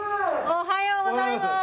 おはようございます！